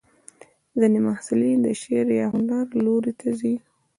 ځینې محصلین د شعر یا هنر لوري ته ځي.